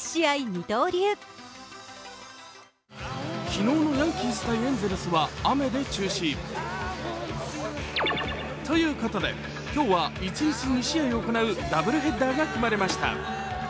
昨日のヤンキース対エンゼルスは雨で中止ということで、今日は一日２試合行うダブルヘッダーが組まれました。